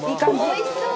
おいしそう！